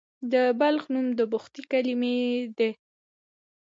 د بلخ نوم د بخدي له کلمې دی